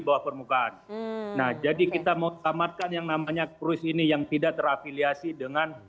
bawah permukaan nah jadi kita mau selamatkan yang namanya kruis ini yang tidak terafiliasi dengan